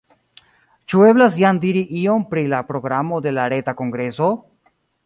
Ĉu eblas jam diri ion pri la programo de la reta kongreso?